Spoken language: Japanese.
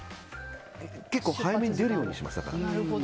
結構、早めに出るようにしますだから。